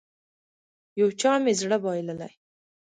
يو چا مې زړه بايللی.